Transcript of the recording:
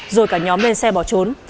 rồi cả nhóm lên xe bỏ trốn